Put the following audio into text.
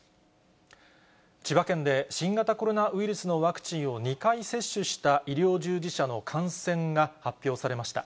千葉県で、新型コロナウイルスのワクチンを２回接種した医療従事者の感染が発表されました。